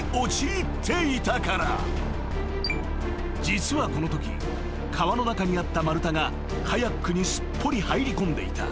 ［実はこのとき川の中にあった丸太がカヤックにすっぽり入りこんでいた］